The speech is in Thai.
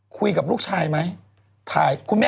คุยกับลูกชายไหม